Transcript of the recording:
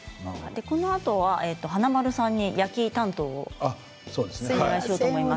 このあと華丸さんに焼き担当をお願いしようと思います。